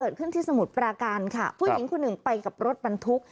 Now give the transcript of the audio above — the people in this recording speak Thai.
เกิดขึ้นที่สมุดปราการค่ะผู้หญิงคุณหนึ่งไปกับรถบรรทุก